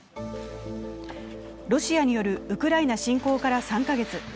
ロシアによるウクライナ侵攻から３カ月。